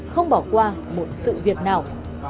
không bỏ qua một sự việc nào